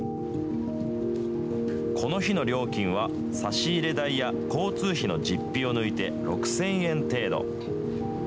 この日の料金は、差し入れ代や交通費の実費を抜いて、６０００円程度。